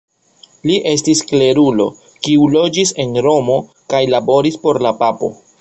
Li estis klerulo kiu loĝis en Romo kaj laboris por la papo.